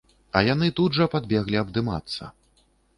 А яны тут жа падбеглі абдымацца.